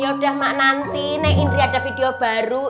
yaudah mak nanti nek indri ada video baru